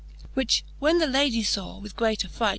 XXXI. Which when the Ladie faw, with great affright.